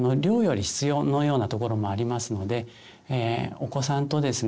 お子さんとですね